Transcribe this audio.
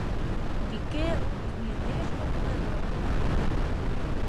Dy keardel is my it deaskoppen net wurdich.